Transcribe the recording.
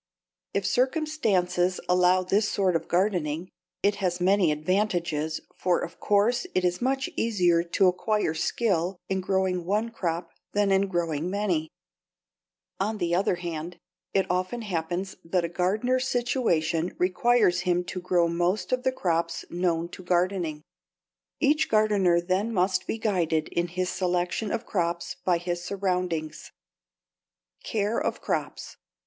If circumstances allow this sort of gardening, it has many advantages, for of course it is much easier to acquire skill in growing one crop than in growing many. [Illustration: FIG. 88. A LARGE YIELD OF CABBAGES] On the other hand, it often happens that a gardener's situation requires him to grow most of the crops known to gardening. Each gardener then must be guided in his selection of crops by his surroundings. =Care of Crops.